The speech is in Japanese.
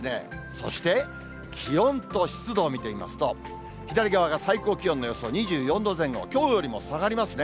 そして、気温と湿度を見てみますと、左側が最高気温の予想、２４度前後、きょうよりも下がりますね。